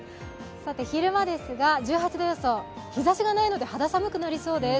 昼間ですが、１８度予想、日ざしがないので肌寒くなりそうです。